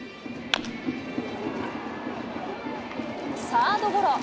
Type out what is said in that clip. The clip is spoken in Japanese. サードゴロ。